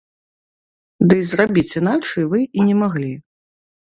Ды зрабіць іначай вы і не маглі.